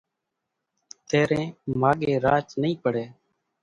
تيرين ماڳين راچ نئي پڙي